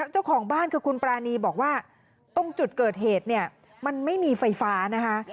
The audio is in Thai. เจ้าของบ้านคือคุณปรานีบอกว่าตรงจุดเกิดเหตุเนี่ยมันไม่มีไฟฟ้านะคะ